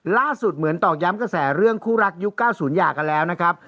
เหมือนตอกย้ำกระแสเรื่องคู่รักยุค๙๐อย่างกันแล้วนะครับ